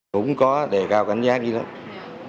cũng có đề cao cảnh giác như thế